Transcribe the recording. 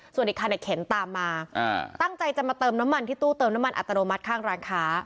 ส่วนอีกคันเข็นตามมาตั้งใจจะมาเติมน้ำมันที่ตู้เติมน้ำมันอัตโนมัติข้างร้านค้า